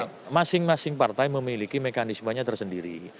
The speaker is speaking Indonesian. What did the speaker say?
karena masing masing partai memiliki mekanismenya tersendiri